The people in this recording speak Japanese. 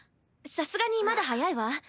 さすがにまだ早いわ。